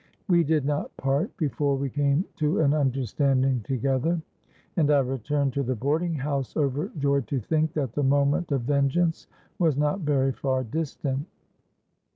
We did not part before we came to an understanding together; and I returned to the boarding house, overjoyed to think that the moment of vengeance was not very far distant.